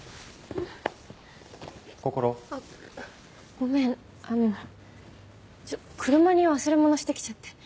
ごめんあの車に忘れ物してきちゃって。